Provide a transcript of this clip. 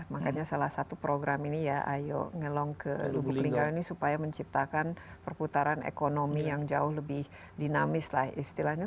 makanya salah satu program ini ya ayo ngelong ke lubuk linggau ini supaya menciptakan perputaran ekonomi yang jauh lebih dinamis lah istilahnya